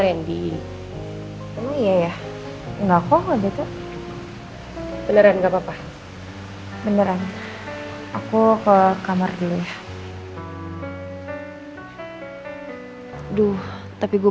rendy ya ya enggak kok ada tuh beneran enggak papa papa beneran aku ke kamar dulu ya aduh tapi gue